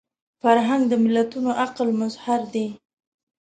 فرهنګ د ملتونو عقل مظهر دی